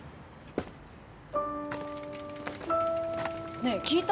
・ねえ聞いた？